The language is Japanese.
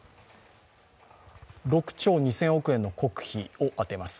６兆２０００億円の国費を充てます。